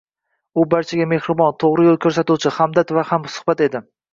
U barchaga mehribon, to`g`ri yo`l ko`rsatuvchi, hamdard va hamsuhbat edi